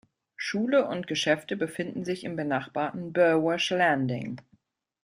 Schule und Geschäfte befinden sich im benachbarten Burwash Landing.